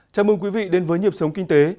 chào mừng quý vị đến với nhịp sống kinh tế